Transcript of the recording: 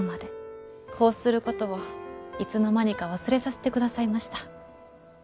こうすることをいつの間にか忘れさせてくださいました。